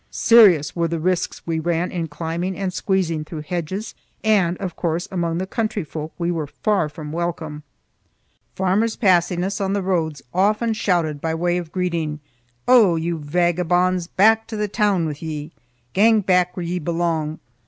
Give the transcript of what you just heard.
Serious were the risks we ran in climbing and squeezing through hedges, and, of course, among the country folk we were far from welcome. Farmers passing us on the roads often shouted by way of greeting: "Oh, you vagabonds! Back to the toon wi' ye. Gang back where ye belang.